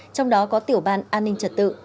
trong đó có tiểu ban an ninh trật tự